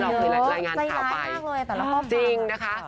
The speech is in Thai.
เยอะใจร้ายมากเลยแต่ละครอบครัวจริงนะคะ